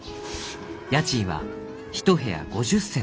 家賃は一部屋５０銭です。